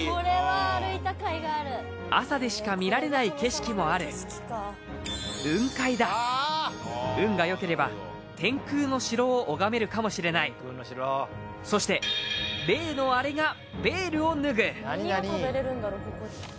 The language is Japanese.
朝でしか見られない景色もある雲海だ運がよければ天空の城を拝めるかもしれないそして例のアレがベールを脱ぐ